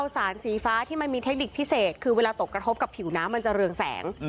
สารสีฟ้าที่มันมีเทคนิคพิเศษคือเวลาตกกระทบกับผิวน้ำมันจะเรืองแสง